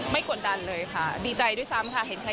ไม่มีเลยค่ะไม่คุยเลยใช่